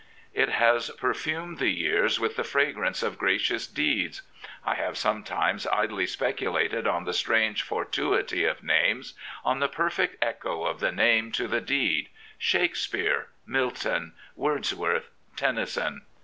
It has perfumed the years with the fragrance of gracious deeds. I have sometimes idly speculated on the strange fortuity of names, on the perfect echo of the name to the deed — Shakespeare, Milton, Words worth, Tennyson!